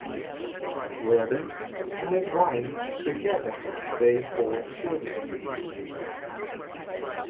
Worden and his wife together they four children.